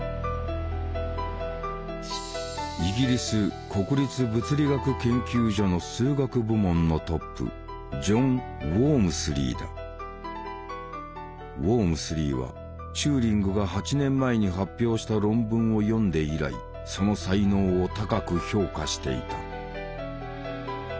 イギリス国立物理学研究所の数学部門のトップウォームスリーはチューリングが８年前に発表した論文を読んで以来その才能を高く評価していた。